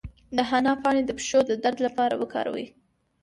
د حنا پاڼې د پښو د درد لپاره وکاروئ